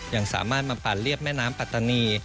ยังสามารถมาปั่นเรียบแม่น้ำปัตตานี